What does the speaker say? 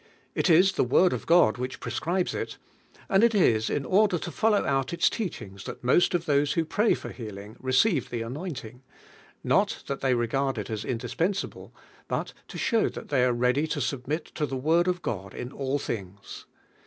It is the Word of God which prescribes it, and it is in order to follow out its teachings dial most of those who pray for healing re ceive the anointing; mil thai fbey regard il as indispensable, 1ml In sliuw that they are ready lo submit to the Word of God in all things.